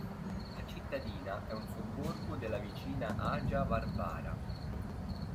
La cittadina è un sobborgo della vicina Agia Varvara.